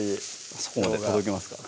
そこまで届きますか？